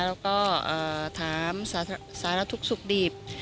แล้วก็ถามสารทุกข์สุขดิบ